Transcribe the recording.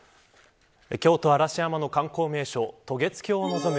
京都、嵐山の観光名所渡月橋を望む